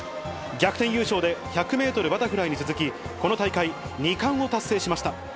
逆転優勝で、１００メートルバタフライに続き、この大会２冠を達成しました。